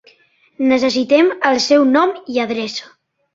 Necessitem el seu nom i adreça.